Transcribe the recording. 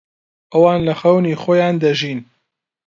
ئەوان لە خەونی خۆیان دەژین.